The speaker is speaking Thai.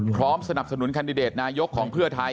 สนับสนุนแคนดิเดตนายกของเพื่อไทย